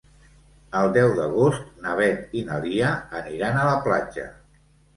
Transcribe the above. El deu d'agost na Beth i na Lia aniran a la platja.